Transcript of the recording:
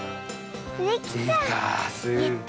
できた。